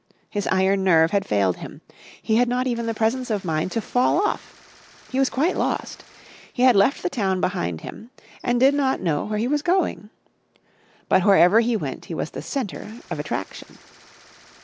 His iron nerve had failed him. He had not even the presence of mind to fall off. He was quite lost. He had left the town behind him and did not know where he was going. But wherever he went he was the centre of attraction.